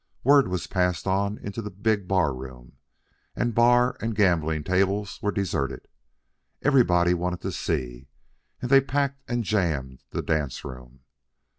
Word was passed on into the big bar room, and bar and gambling tables were deserted. Everybody wanted to see, and they packed and jammed the dance room.